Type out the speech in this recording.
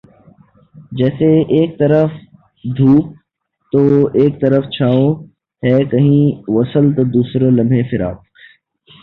جیسے ایک طرف دھوپ تو ایک طرف چھاؤں ہے کہیں وصل تو دوسرے لمحےفراق